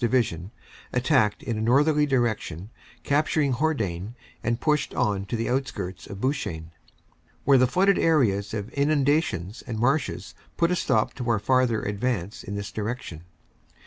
Division, attacked in a northerly direction, captur ing Hordain and pushed on to the outskirts of Bouchain, where the flooded area of inundations and marshes put a stop to our farther advance in this direction.